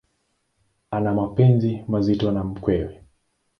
Ana mapenzi mazito na mkewe.